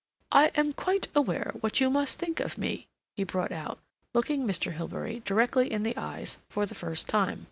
"I am quite aware what you must think of me," he brought out, looking Mr. Hilbery directly in the eyes for the first time.